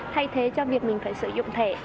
thay thế cho việc mình phải sử dụng thẻ